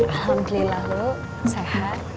alhamdulillah lu sehat